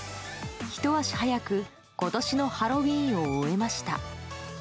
ひと足早く今年のハロウィーンを終えました。